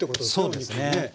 そうですねえ。